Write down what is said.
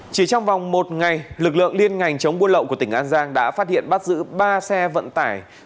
chỉ trong vòng một ngày lực lượng liên ngành chống buôn lậu của tỉnh an giang đã phát hiện bắt giữ ba xe vận tải